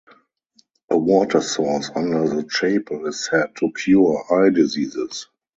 A water source under the chapel is said to cure eye diseases.